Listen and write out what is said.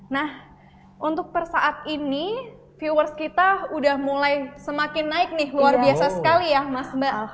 nah untuk per saat ini viewers kita udah mulai semakin naik nih luar biasa sekali ya mas mbak